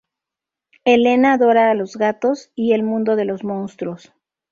Elena adora a los gatos, y el mundo de los monstruos.